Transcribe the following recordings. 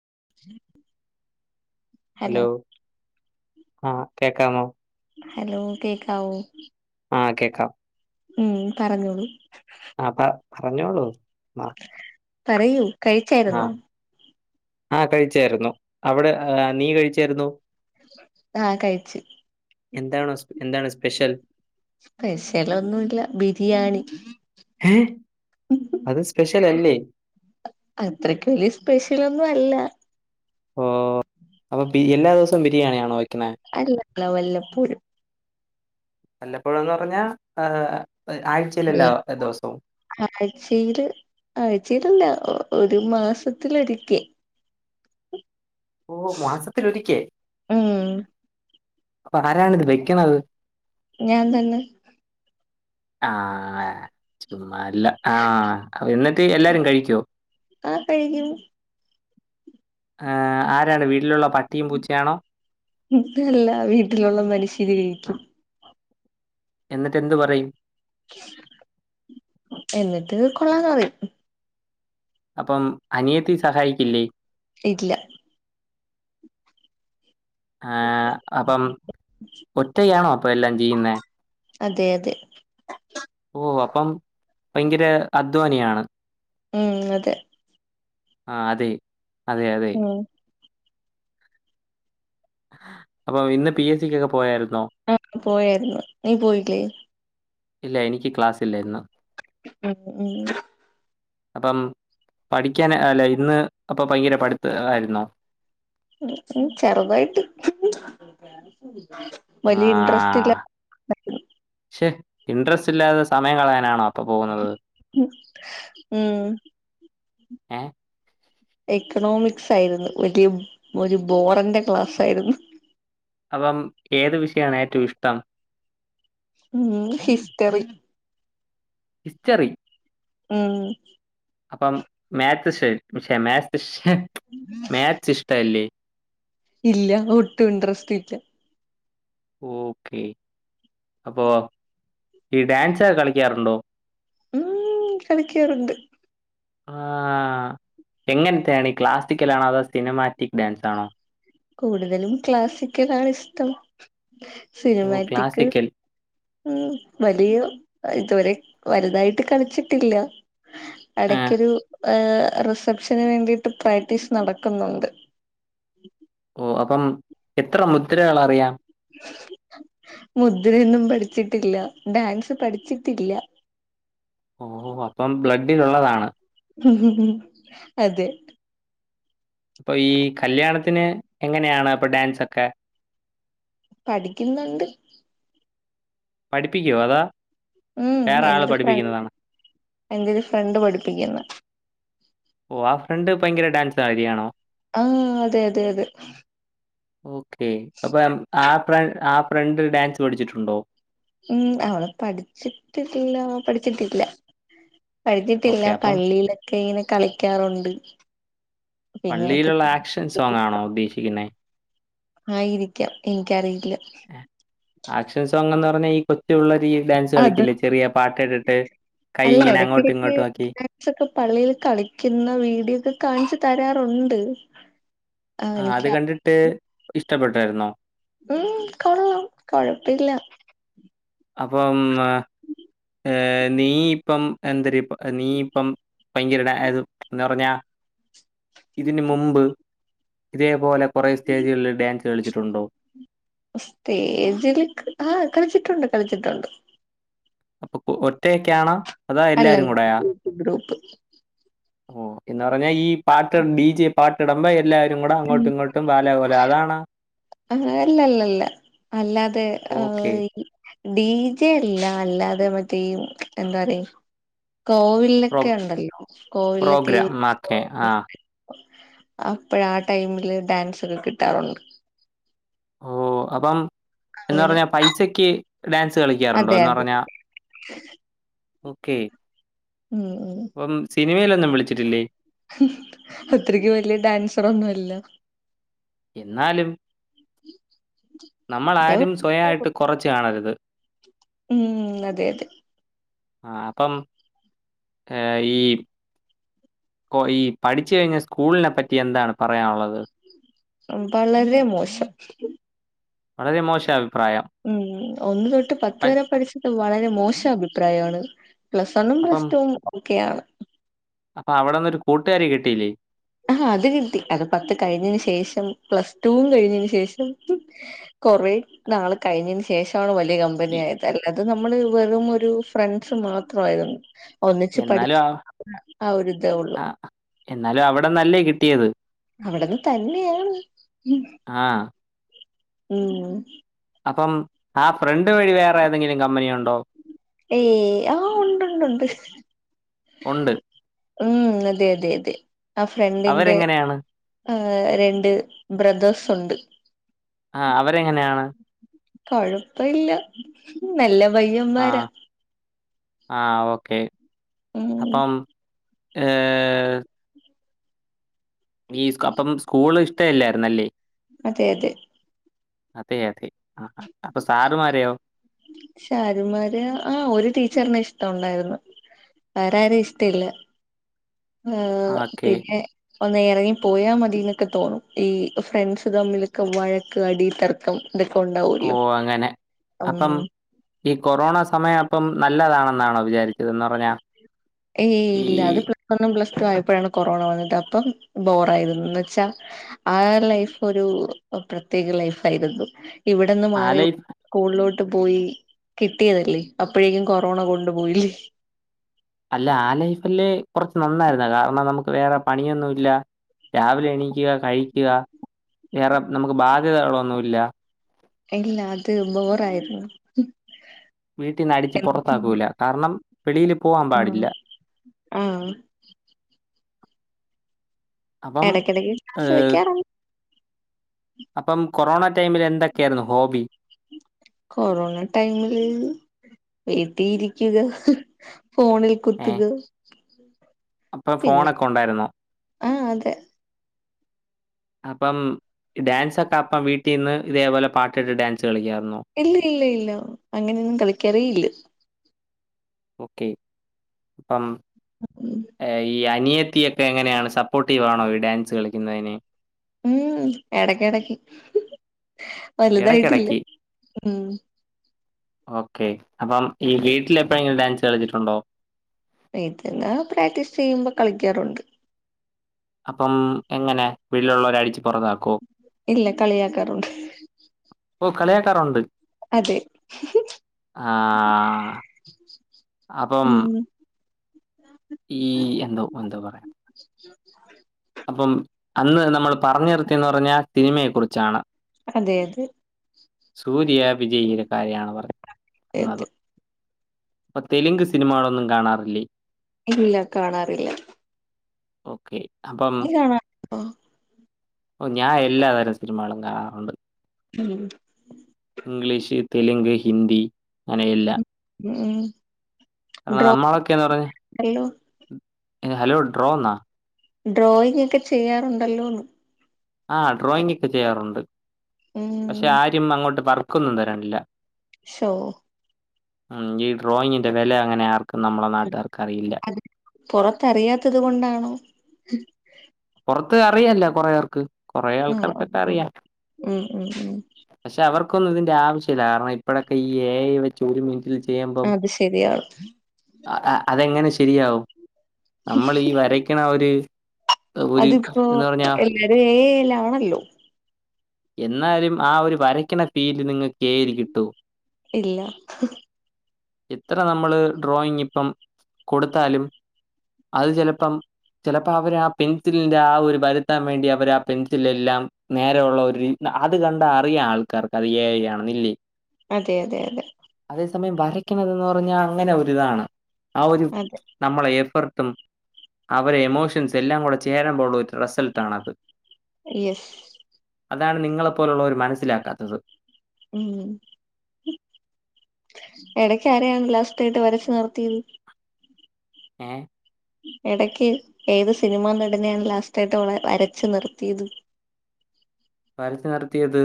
[inaudible] Hello ആഹ കേക്കാമോ hello കേക്കാവൊ ആഹ കേക്കാം ഉം പറഞ്ഞോളൂ ആ പ പറഞ്ഞോളൂ ആഹ് പറയൂ കഴിച്ചായിരുന്നു ആഹ് കഴിച്ചായിര്ന്നു അവടെ നീ കഴിച്ചായിര്ന്നോ? ആഹ് കഴിച്ച് എന്താണോ സ് എന്താണോ സ്പെഷ്യൽ സ്പെഷ്ൽ ഒന്നൂല്ല ബിരിയാണി ഏ അത് സ്പെഷ്യൽ അല്ലേ അത്രയ്ക്ക വല്ല്യേ സ്പെഷൽ ഒന്നൂഅല്ല ഓ അപ്പ ബി എല്ലാ ദിവസവും ബിരിയാണിയാണോവ അല്ലല്ല വല്ലപ്പോഴും. വല്ലപ്പോഴന്ന് പറഞ്ഞാ അഹ് ആഴ്ച്ചയില് ആഴ്ചയിലല്ല. ഒരു മാസത്തിലൊരിക്കെ ഓ മാസത്തിലൊരിക്കെ ഉം അപ്പൊ ആരാണിത് വെക്കണത്. ഞാൻ തന്നെ. ആഹ് അല്ല ആഹ് എന്നിട്ട് എല്ലാരും കഴിക്കോ? ആഹ് കഴിക്കും ആഹ് ഇതല്ല വീട്ടിലുള്ള മനുഷ്യര് കഴിക്കും. എന്നിട്ട് എന്ത് പറയും. എന്നിട്ട് കൊള്ളാന്ന് പറയും. അപ്പം അനിയത്തി സഹായിക്കില്ലേ? ഇല്ല. ആഹ് അപ്പം ഒറ്റയാണോ? എല്ലാം ചെയ്യുന്നേ? അതെ അതെ. ഓ അപ്പം ഭയങ്കര അധ്വാനിയാണ്. മ് അതെ. ആഹ് അതെ. അതെ അതെ. ഉം അപ്പൊ ഇന്ന് പി എസ് സികൊക്കെ പോയായിര് ആഹ് പോയായിരുന്നു. നീ പോയി ല്ലേ. ഇല്ല എനിക്ക് ക്ലാസ് ഇല്ല ഇന്ന്. മ് മ് അപ്പം പഠിക്കാൻ അല്ല ഇന്ന് അപ്പം ഭയങ്കര പഠിത്ത് ആയിര്ന്നോ? ചെറുതായിട്ട്. വലിയ ഇൻട്രസ്റ്റ് ഇല്ല ആഹ് ഛെ ഇന്ട്രസ്റ്റില്ലാതെ സമയം കളയാനാണോ അപ്പൊ പോകുന്നത്. ഉം ഏ എക്കണോമിക്സ് ആയിര്ന്നു വലിയ ഒരു ബോറന്റെ ക്ലാസ് ആയിര്ന്ന്. അപ്പം ഏത് വിഷയാണ് ഏറ്റവും ഇഷ്ട്ടം. മ് ഹിസ്റ്ററി. ഹിസ്റ്ററി. ഉം അപ്പം മാത് ശ് ശെ മാത്ശ് ന്നെ മാത്‍സ് ഇഷ്ടല്ലേ? ഇല്ല ഒട്ടും ഇട്രസ്റ്റ് ഇല്ല. ഓക്കേ അപ്പോ ഈ ഡാൻസെ കളിക്ക്യാറുണ്ടോ? ഉം കളിക്കാറുണ്ട് ആഹ് എങ്ങൻത്തെയാണ് ക്ലാസിക്കലാണോ അതോ സിനിമാറ്റിക് ഡാൻസ് ആണോ? കൂടുതലും ക്ലാസിക്കലാണിഷ്ടം ഓ സിനിമാറ്റിക്ക് ക്ലാസിക്കൽ. ഉം വലിയ ഇതുവരെ വലുതായിട്ട് കളിച്ചിട്ടില്ല. ആ. എടക്കൊരു ഏഹ് റിസപ്ഷന് വേണ്ടിട്ട് പ്രാക്ടീസ് നടക്കുന്നൊണ്ട്. ഓഹ് അപ്പം എത്ര മുദ്രകൾ അറിയാം മുദ്രയൊന്നും പഠിച്ചിട്ടില്ല ഡാൻസ് പഠിച്ചിട്ടില്ല ഓഹ് അപ്പം ബ്ല ഡിലൊള്ളതാണ് അതെ അപ്പോ ഈ കല്യാണത്തിന് എങ്ങനെയാണ് അപ്പോ ഡാൻസൊക്കെ പഠിക്കുന്നൊണ്ട് പഠിപ്പിക്കുവോ അതാ ഉം എന്റൊരു ഫ്രണ്ട് എന്റെ ഒരു ഫ്രണ്ട് പഠിപ്പിക്കുന്നാ ഓഹ് ആ ഫ്രണ്ട് ഭയങ്കര ഡാൻസ്കാരിയാണോ ആ അതെ അതെ അതെ ഓ ക്കെ അപ്പൊ ആഹ് ഫ്ര ആഹ് ഫ്രണ്ട് ഡാൻസ് പഠിച്ചിട്ടുണ്ടോ ഉം അവള് പഠിച്ചിട്ടില്ല പഠിച്ചിട്ടിട്ടി ല്ല പഠിച്ചിട്ടില്ല ഓക്കെ. അപ്പം പള്ളിയിലൊക്കെ ങ്ങനെ കളിക്കാറുണ്ട് പിന്നെ അവക്ക് പള്ളിയിലുള്ള ആക്ഷൻ സോങ്ങാണോ ഉദ്ദേശിക്കുന്നേ ആയിരിക്കാം എനിക്കറിയില്ല ആക്ഷൻ [unintelligible] അത കളിക്കില്ലേ ചെറിയ പാട്ടിട്ടിട്ട് കൈ അല്ല ഇങ്ങനെ അങ്ങോട്ടും എടക്കെടക്ക് ഇങ്ങോട്ടും ആക്കി. ഡാൻസൊക്കെ പള്ളിൽ കളിക്കുന്ന വീഡിയോക്കെ കാണിച്ച തരാറുണ്ട് ആഹ് ആ അത് എനിക്ക് കണ്ടിട്ട് ഇഷ് ഇഷ്ടപ്പെട്ടായിരുന്നോ ഉം കൊള്ളാം കൊഴപ്പില്ല അപ്പം ഏ നീയിപ്പം എന്തെര് നീയിപ്പം ഭയങ്കര ഡാ ന്ന് പറഞ്ഞാ ഇതിന് മുമ്പ് ഇതേപോലെ കൊറെ സ്റ്റേജുകളിൽ ഡാൻസ് കളിച്ചിട്ടുണ്ടോ സ്റ്റേജിൽ ആ കളിച്ചിട്ടുണ്ട് കളിച്ചിട്ടുണ്ട് അപ്പൊ ഒറ്റയൊക്കാണോ അതാ എല്ലാരും അല്ലല്ല കൂടെയാ ഗ്രൂപ്പ് ഗ്രൂപ്പ് ഓ എന്ന്പറഞ്ഞാ ഈ പാട്ട് ഡി ജെ പാട്ട്ട്മ്പോ എല്ലാ കടെ ഉം അങ്ങോട്ടും ഇങ്ങോട്ടും ബാല പോലെ അതാണാ. അല്ലല്ലല്ല അല്ലാതെ ഓക്കേ. ഡി ജെ അല്ല അല്ലാതെ മറ്റേ ഈ എന്താ പറ്യ പ്രോ കോവിൽലൊക്കെ ഉണ്ടല്ലോ കോവിലിൽലൊക്കെ ഈ പ്രോഗ്രാം ഓക്കേ. ആഹ്. [unintelligible] അപ്പഴാ ആ ടൈമില് ഡാൻസൊക്കെ കിട്ടാറുണ്ട്. ഓഹ് അപ്പം എന്ന് അങ്ങനെ പറഞ്ഞ പൈസക്ക് ഡാൻസ് കളിക്കാറുണ്ടോ അതെ എന്ന് അതെ പറഞ്ഞാ ക്കെ ഉം ഉം സിനിമയിലൊന്നും വിളിച്ചിട്ടില്ലേ? അത്രക്ക് വലിയ ഡാൻസർ ഒന്നും അല്ല എന്നാലും നമ്മള അതെ ആരും സ്വയായിട്ട് കൊറച്ച് കാണരുത്. ഉം അതെ അതെ ആഹ് അപ്പം ഏഹ് ഈ കൊ ഈ പഠിച്ച കഴിഞ്ഞ സ്കൂളിനെ പറ്റി എന്താണ് പറയാനുള്ളത്? വളരെ മോശം വളരെ മോശാഭി ഉം ഒന്ന് തൊട്ട് പത്ത് വരെ പഠിച്ചിട്ട് വളരെ മോശഭിപ്രായാണ് പ്ലസ് വണ്ണും അപ്പം പ്ലസ് ടു ക്കെയാണ് അപ്പൊ അവിടെന്നൊരു കൂട്ടുകാരി കിട്ടിയില്ലേ ആഹ അത് കിട്ടി അത് പത്ത് കഴിഞ്ഞതിന് ശേഷം പ്ലസ് ടൂ കഴി ഞ്ഞതിന് ശേഷം കൊറെ നാള് കഴിഞ്ഞതിന് ശേഷാണ് വ ല്യ കമ്പനി ഇ ആയത് അല്ല അത് നമ്മള് വെറും ഒരു ഫ്രണ്ട്സ് മാത്രായിരുന്നു ഒന്നിച്ച് എന്നാലും പഠിച്ച് ആ ആ ഒരിതേ ഉള്ളു ട്ന്നല്ലേ കിട്ടിയത് അവിടുന്ന് തന്നെയാണ് ആഹ് ഉം അപ്പം ആ ഫ്രണ്ട് വഴി വേറെ ഏതെങ്കിലും കമ്പനി ഉണ്ടോ ഏയ് ആഹ് ഉണ്ട്ണ്ട്ണ്ട് ഉണ്ട്. ഉം അതെ അതെ അതെ ആ ഫ്രണ്ടിന്റെ അവരെങ്ങനെയാണ്? രണ്ട് ബ്രദേേഴ്സ് ഉണ്ട് ആ അവരെങ്ങനെയാണ് കൊഴപ്പ ഇല്ല നല്ല പയ്യന്മാരാ ആഹ ഓക്കെ ഉം അപ്പം ഏ ഈ അപ്പം സ്കൂള് ഇഷ്ടല്ലായിരുന്നല്ലേ അതെ അതെ അതെ അതെ ആഹാ. അപ്പൊ സാറുമാരെയോ? ഷാരുമാര് ആഹ ഒരു ടീച്ചറിന ഇഷ് ഇ്ട ഉണ്ടായിരുന്നു വേരരും ഇഷ്ടിയില്ല ആ ആഹ ഓക്കെ. പിന്നെ ഒ ന്ന് ഇറങ്ങി പോയാൽ മതി എന്നൊക്കെ തോന്നും ഈ ഫ്രണ്ട്സ് തമ്മിലൊക്കെ വഴക്ക് അടി തർക്കം ഇതൊക്കെ ഓ ഉണ്ടാവല്ലോ അങ്ങനെ ഉം അപ്പം ഈ കൊറോണ സമയം ഇപ്പം നല്ലതാണെന്നാണോ വിചാരിച്ചതന്ന് പറഞ്ഞാൽ ഏ ഇല്ല അത് പ്ലസ് ഒന്ന പ്ലസ് റ്റ ആയപ്പോഴാണ് കൊറോണ വന്നിട്ട് അപ്പം ബോറ ആയിുന്നന്ന് വച്ചാ ആ ലൈഫ് ഒരു പ്രത്യേക ലൈഫ് ആയിരുന്നു ഇവിടെന്ന് ആ മാറി ലൈഫ് സ്കൂളിലോട്ട് പോയി കിട്ടിയതല്ലേ അപ്പോഴേക്കും കൊറോണ കൊണ്ടു പോോയില്ലേ അല്ല ആ ലൈഫല്ലേ കുറച്ച് നന്നായിരുന്ന കാരണം നമുക്ക് വേറെ പണിയൊന്നുമല്ല രാവിലെ എണീക്കുക കഴിക്കുക വേറെ നമുക്ക് ബാധ്യതകളൊന്നുമില്ല ഇല്ല അത് ബോറായിരുന്നു വീട്ടിനടിച്ച് പുറത്താക്കൂല്ല കാരണം വെളിയില് പോവാൻ പാടില്ല ആഹ് ആഹ് അപ്പം ഇടയ്ക്കിടയ്ക്ക് ഏഹ്, ചോയ്ക്കാറുണ്ട് അപ്പം കൊറോണ ടൈമിൽ എന്തൊക്കെയായിരുന്നു ഹോബി കൊറോണ ടൈമില് എത്തിയിരിക്കുക ഫോണിൽ ഏഹ്? കുത്തുക ബ [inaudible] അപ്പം ഫോണൊക്കെ ഉണ്ടായിരുന്നോ ആഹ് അതെ അപ്പം ഡാൻസ് ഒക്കെ അപ്പം വീട്ടിന്ന് ഇതേപോലെ പാട്ടിട്ട് ഡാൻസ് കളിക്കുമായിരുന്നു. ഇല്ല ഇല്ല ഇല്ല അങ്ങനെയൊന്നും കളിക്കാറേ ഇല്ല ഓക്കെ അപ്പം ഉം [inaudible] ഏഹ്, ഈ അനിയത്തിയൊക്കെ എങ്ങനെയാണ് സപ്പോർട്ടീവാണോ ഈ ഡാൻസ് കളിക്കുന്നതിന് ഉം എടക്ക് എടക്ക് വലുതായിട്ടില്ല ഇടയ്ക്കിടയ്ക്ക്. ഉം ഓക്കെ അപ്പം ഈ വീട്ടിൽ എപ്പോഴെങ്കിലും ഡാൻസ് കളിച്ചിട്ടുണ്ടോ വീട്ടിന്ന് പ്രാക്ടീസ് ചെയ്യുമ്പോ കളിക്കാറുണ്ട് അപ്പം എങ്ങനെ വീട്ടിലുള്ളവരെ അടിച്ച് പുറത്താ കൊ ഇല്ല കളിയാക്കാറുണ്ട് ഓ കളിയാക്കാറുണ്ട് അതെ ആ അപ്പം ഉം ഈ എന്തോ എന്താ പറയാ [inaudible] അപ്പം അന്ന് നമ്മൾ പറഞ്ഞ് നിർത്തിയെന്ന് പറഞ്ഞാ സിനിമയെ കുറിച്ചാണ് അതെ അതെ സൂര്യ വിജയി ഇങ്ങനെ കാര്യാണ് അതെ പറയുന്നത് അതെ അപ്പൊ തെലുങ്ക് സിനിമകളൊന്നും കാണാറില്ലേ ഇല്ല കാണാറില്ല ഓക്കെ [unintelligible] ഓഹ് ഞാൻ എല്ലാ വരം സിനിമകളും കാണാറുണ്ട് ഉംഹ് ഇംഗ്ലീഷ്, തെലുങ്ക്, ഹിന്ദി ങ്ങനെയില്ല. ഉം കാരണം നമ്മളൊക്കേന്ന് പർഞ്ഞാ ഡ്രോയിങ് ങ്ങനെ ഹലോ ഡ്രോന്നാ ഡ്രോയിങ് ഒക്കെ ചെയ്യാറുണ്ടല്ലോന്ന് ആഹ് ഡ്രോയിങ്‌ എക്കെ ചെയ്യാറുണ്ട് പക്ഷെ ഉം ആരും അങ്ങോട്ട് പറ ക്കൊന്നും തരണില്ല ശോഹ് ഉം ഈ ഡ്രോയിങ്ങിന്റെ വെല അങ്ങനെ ആർക്കും നമ്മളെ നാട്ടാർ ക്കറിയില്ല പൊറത്തറിയാത്തത് കൊണ്ടാണോ? ത്ത് അറിയാല്ല കൊറേ ഏർക്ക് [unintelligible] ഉംഹ് ഉംഹ് ഉംഹ് ക്കൊന്നുതിന്റെ ആവശ്യല്ല കാരണം ഇപ്പഴൊക്കെ ഈ ഏ ഐ വച്ച് ഒരുമിൻ അത് ശെരിയാണ് അ അതെങ്ങനെ ശെരിയാവും നമ്മൾ ഈ വരക്കണ ഒരു ഒരു അതിപ്പോ എന്ന് പറഞ്ഞാ എല്ലാരും എ ഐ ല് ആണല്ലോ എന്നാലും ആ ഒരു വരക്കണ ഫീല് നിങ്ങൾ എ ഐ ല് കിട്ടോ ഇല്ല ഇത്ര നമ്മള് ഡ്രോയിങ് ഇപ്പം കൊടുത്താലും അത് ചിലപ്പം ചിലപ്പോ അവര് ആ പെൻസിലിന്റെ ആ ഒരു വരുത്താൻ വേണ്ടി അവർ ആ പെൻസിലെല്ലാം നേരെയുള്ള ഒരു [unintelligible] അത് കണ്ട അറിയാം ആൾക്കാർക്ക് അത് എ ഐ ആണെന്നില്ലേ അതെ അതെ അതെ അതേ സമയം വരയ്ക്കണതെന്ന് പറഞ്ഞാൽ അങ്ങനെ ഒരിതാണ് ആ ഒരു അതെ നമ്മളെ ഏഫർ ട്ടും അവരെ എമോഷൻസ് എല്ലാം കൂടെ ചേരാൻ പോയുള്ള ഒരു റിസൾട്ടണത് യെസ് അതാണ് നിങ്ങളെപ്പോലുള്ളവര് മനസ്സിലാക്കാത്തത് ഉം എടക്ക ആരാണ് ലാസ്റ്റിയിട്ട് വരച്ചു നിർത്തിയത് ഏ എടക്ക് ഏത് സിനിമാ നടന്നെയാണ് ലാസ്റ്റയിട്ട് ഇവടെ വരച്ചു നിർത്തിയത് വരച്ച് നിർത്തിയത്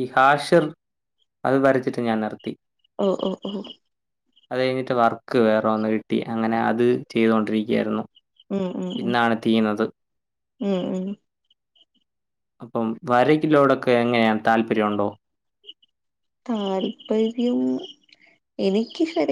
ഈ ഹാഷിർ അത് വരച്ചിട്ട് ഞാൻ നിർത്തി ഓ ഓ ഓ അത് കഴിഞ്ഞിട്ട് വർക്ക് വേറെ ഒന്ന് കിട്ടി അങ്ങനെ അത് ചെയ്തുകൊണ്ടിരിക്കയായിരുന്നു ഉം ഉം ഉം ഇന്നാണ് തീന്നത് ഉം ഉം അപ്പം വര കിലോടൊക്കെ എങ്ങനെയ താല്പര്യണ്ടോ താല്പര്യം എനിക്ക് ശരി